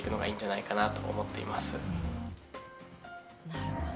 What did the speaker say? なるほど。